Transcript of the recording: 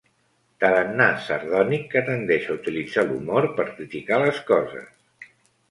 Tarannà sardònic que tendeix a utilitzar l'humor per criticar les coses.